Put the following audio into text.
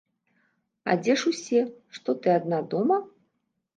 А дзе ж усе, што ты адна дома?